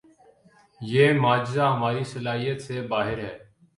یہ معجزہ ہماری صلاحیت سے باہر ہے۔